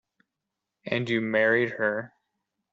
And you married her.